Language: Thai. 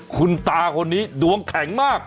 คุณตาคนนี้ดวงแข็งมาก